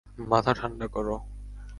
মাথা ঠান্ডা কর!